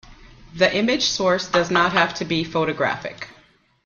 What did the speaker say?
The image source does not have to be photographic.